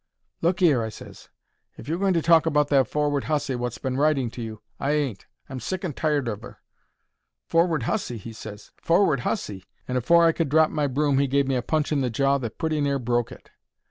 "Look 'ere," I ses, "if you're going to talk about that forward hussy wot's been writing to you, I ain't. I'm sick and tired of 'er." "Forward hussy!" he ses. "Forward hussy!" And afore I could drop my broom he gave me a punch in the jaw that pretty near broke it.